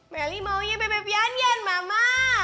meli maunya bebek pianjen mama